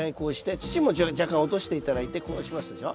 土も若干落として頂いてこうしますでしょ。